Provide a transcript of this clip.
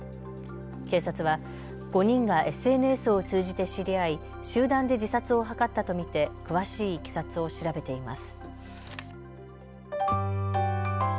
警察は５人がＳＮＳを通じて知り合い、集団で自殺を図ったと見て詳しいいきさつを調べています。